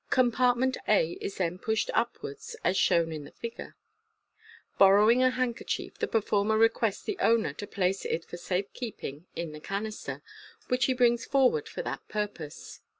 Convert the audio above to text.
Compartment a is then pushed up wards, as shown in the figure. Borrowing a Fig. 108. handkerchief, the performer requests the owner to place it for safe keeping in the canister, which he brings forward for that purpose.